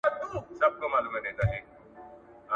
فیضان